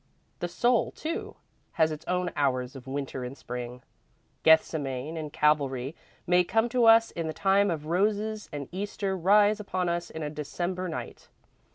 The soul, too, has its own hours of Winter and Spring. Gethsemane and Calvary may come to us in the time of roses and Easter rise upon us in a December night.